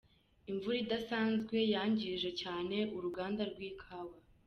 Imvura idasanzwe yangije cyane uruganda rw’ikawa